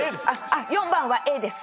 あっ４番はＡです。